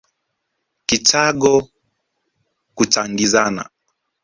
Kichango kuchangizana